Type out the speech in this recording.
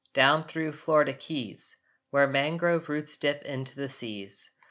Down thro Florida keys, Where mangrove roots dip in the seas!